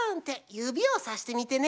ゆびをさしてみてね。